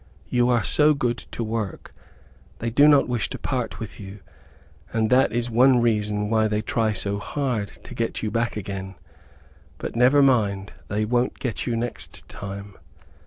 You are so good to work, they do not wish to part with you, and that is one reason why they try so hard to get you back again. But never mind, they won't get you next time."